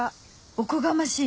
おこがましい！